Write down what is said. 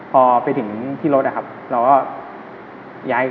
พอไปถึงรถเถอะครับเราก็